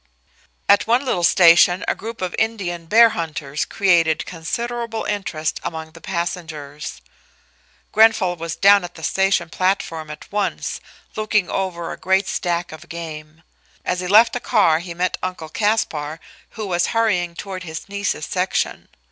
At one little station a group of Indian bear hunters created considerable interest among the passengers. Grenfall was down at the station platform at once, looking over a great stack of game. As he left the car he met Uncle Caspar, who was hurrying toward his niece's section.